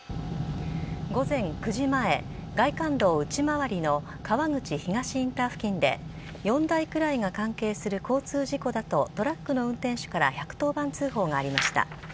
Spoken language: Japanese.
午前９時前外環道内回りの川口東インター付近で４台くらいが関係する交通事故だと、トラックの運転手から１１０番通報がありました。